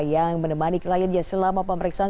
yang menemani kliennya selama pemeriksaan